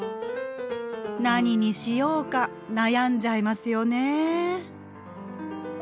何にしようか悩んじゃいますよね。